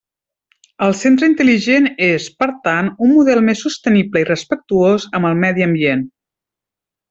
El centre intel·ligent és, per tant, un model més sostenible i respectuós amb el medi ambient.